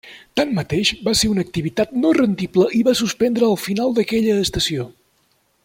Tanmateix, va ser una activitat no rendible i va suspendre al final d'aquella estació.